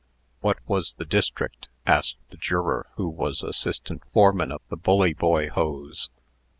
"What was the district?" asked the juror who was assistant foreman of the Bully Boy Hose.